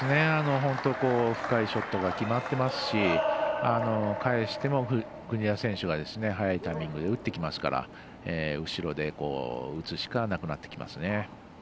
本当に深いショットが決まっていますし返しての、国枝選手が早いタイミングで打ってきますから後ろで打つしかなくなってきますね。